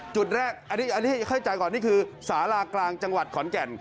จุดแรกอันนี้เข้าใจก่อนนี่คือสารากลางจังหวัดขอนแก่น